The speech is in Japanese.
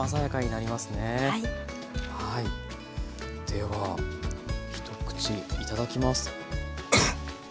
では一口いただきます。